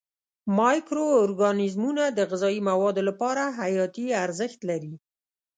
مایکرو ارګانیزمونه د غذایي موادو لپاره حیاتي ارزښت لري.